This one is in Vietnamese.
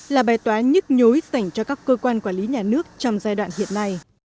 là bài toán nhức nhối dành cho các cơ quan quản lý nhà nước trong giai đoạn hiện nay